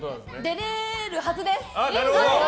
出れるはずです！